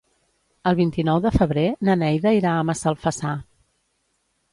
El vint-i-nou de febrer na Neida irà a Massalfassar.